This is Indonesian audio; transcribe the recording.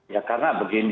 ya karena begini